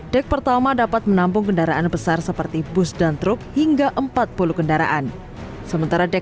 dek pertama dapat menampung kendaraan besar seperti bus dan truk hingga empat puluh kendaraan sementara dek